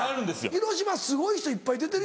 広島すごい人いっぱい出てるよな。